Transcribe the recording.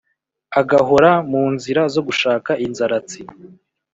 Agahora mu nzira zo gushaka inzaratsi